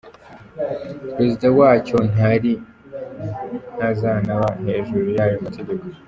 Perezida wacyo ntari, ntazanaba hejuru y’ayo mategeko.